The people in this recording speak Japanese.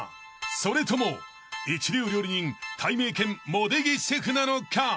［それとも一流料理人たいめいけん茂出木シェフなのか］